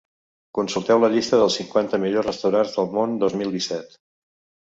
Consulteu la llista dels cinquanta millors restaurants del món dos mil disset.